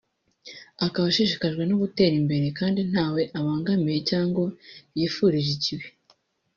akaba ashishikajwe no gutera imbere kandi ntawe abangamiye cyangwa yifurije ikibi